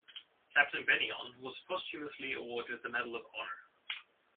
Captain Bennion was posthumously awarded the Medal of Honor.